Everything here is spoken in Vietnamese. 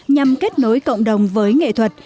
nhằm kết nối cộng đồng với nghệ thuật